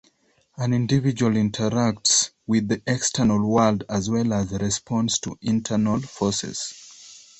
An individual interacts with the external world as well as responds to internal forces.